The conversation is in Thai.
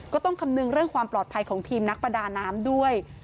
ก็ต้องคำนึงเรื่องความปลอดภัยของทีมนักประดาน้ำด้วย